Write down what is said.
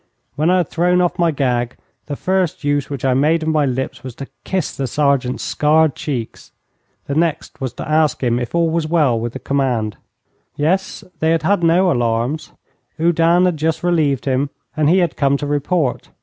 When I had thrown off my gag, the first use which I made of my lips was to kiss the sergeant's scarred cheeks. The next was to ask him if all was well with the command. Yes, they had had no alarms. Oudin had just relieved him, and he had come to report.